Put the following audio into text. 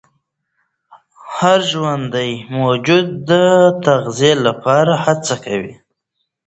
هر ژوندي موجود د تغذیې لپاره هڅه کوي.